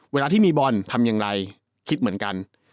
เวลาที่มีบอลทำอย่างไรคิดเหมือนกัน